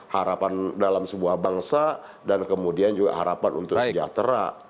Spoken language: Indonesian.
harapan dalam sebuah bangsa dan kemudian juga harapan untuk sejahtera